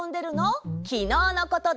きのうのことだよ！